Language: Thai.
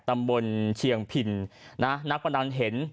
ตำบลเชียงผินนักประดันเห็น